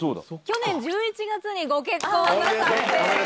去年１１月にご結婚なさって。